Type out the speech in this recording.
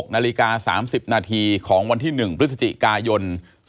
๑๖น๓๐นธีของวันที่๑พฤศจิกายน๒๕๖๐